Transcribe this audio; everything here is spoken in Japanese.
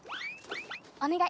お願い！